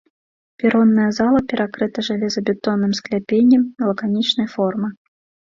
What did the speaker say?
Перонная зала перакрыта жалезабетонным скляпеннем лаканічнай формы.